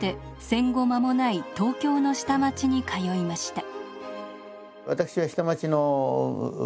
戦後間もない東京の下町に通いました。